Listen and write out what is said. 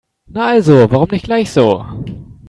Na also, warum nicht gleich so?